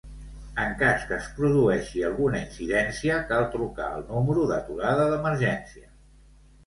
En cas que es produeixi alguna incidència, cal trucar el número d'aturada d'emergència.